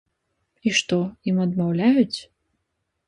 І што, ім адмаўляюць?